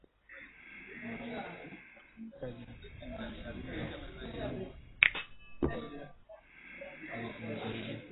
siku ya Jumanne akiitaja Marekani mshirika wa kutegemewa katika azma yetu ya kuleta utulivu na mapambano dhidi ya ugaidi